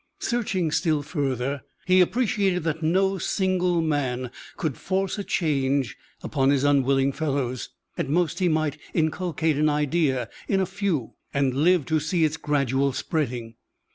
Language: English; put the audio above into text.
Searching still further, he appreciated that no single man could force a change upon his unwilling fellows. At most he might inculcate an idea in a few and live to see its gradual spreading.